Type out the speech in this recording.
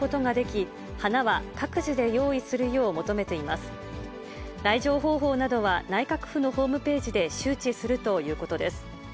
来場方法などは内閣府のホームページで周知するということです。